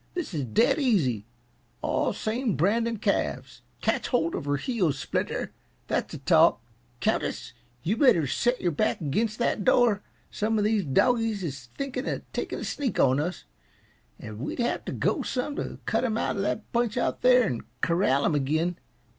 This is dead easy all same branding calves. Ketch hold of her heels, Splinter that's the talk. Countess, you better set your back against that door some of these dogies is thinking of taking a sneak on us and we'd have t' go some, to cut 'em out uh that bunch out there and corral 'em again.